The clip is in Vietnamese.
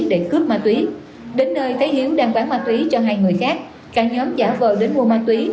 để cướp ma túy đến nơi thấy hiếu đang bán ma túy cho hai người khác cả nhóm giả vờ đến mua ma túy